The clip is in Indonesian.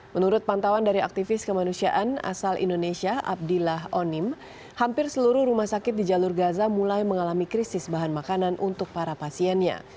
menurut pantauan dari aktivis kemanusiaan asal indonesia abdillah onim hampir seluruh rumah sakit di jalur gaza mulai mengalami krisis bahan makanan untuk para pasiennya